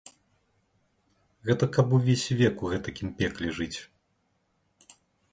Гэта каб увесь век у гэтакім пекле жыць?